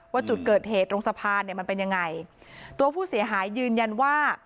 ว่าจุดเกิดเหตุตรงสะพานเนี่ยมันเป็นยังไงตัวผู้เสียหายยืนยันว่า